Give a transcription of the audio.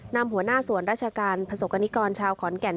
นำหัวหน้าส่วนราชการประสบกรณิกรชาวขอนแก่น